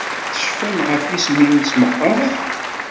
Tecfam ɣef yisem-nnes meqqar?